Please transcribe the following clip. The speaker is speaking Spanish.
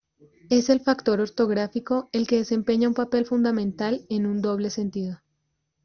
Es el factor orográfico el que desempeña un papel fundamental en un doble sentido.